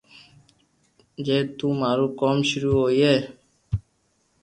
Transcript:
جي تو مارو ڪوم ݾروع ھوئي